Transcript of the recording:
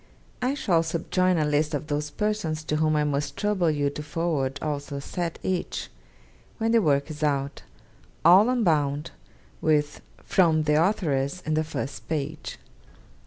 I shall subjoin a list of those persons to whom I must trouble you to forward also a set each, when the work is out; all unbound, with "From the Authoress" in the first page.